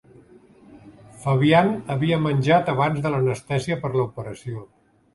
Fabian havia menjat abans de l'anestèsia per a l'operació.